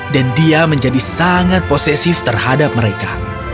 dan dia menjadi sangat posesif terhadap mereka